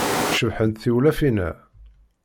Cebḥent tewlafin-a.